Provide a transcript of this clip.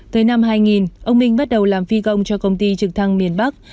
tới năm hai nghìn ông minh bắt đầu làm phi công cho công ty trực thăng miền bắc